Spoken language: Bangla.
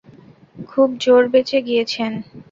খুব জোর বেঁচে গিয়েছেন!